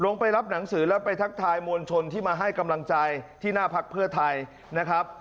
ไปรับหนังสือแล้วไปทักทายมวลชนที่มาให้กำลังใจที่หน้าพักเพื่อไทยนะครับ